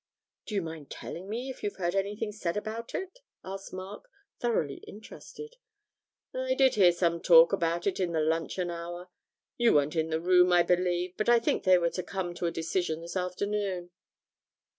'Do you mind telling me if you've heard anything said about it?' asked Mark, thoroughly interested. 'I did hear some talk about it in the luncheon hour. You weren't in the room, I believe, but I think they were to come to a decision this afternoon.'